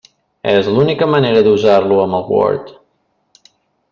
És l'única manera d'usar-lo amb el Word.